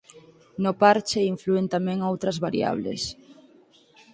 No parche inflúen tamén outras variables.